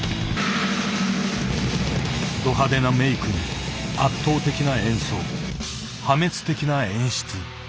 ど派手なメークに圧倒的な演奏破滅的な演出。